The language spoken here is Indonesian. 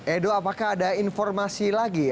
edo apakah ada informasi lagi